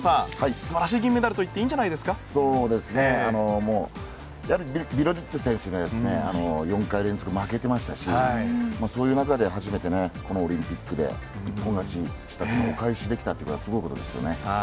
素晴らしい銀メダルといってビロディッド選手に４回連続負けてましたしそういう中で初めてオリンピックで一本勝ちしたお返しできたのはすごいことですよね。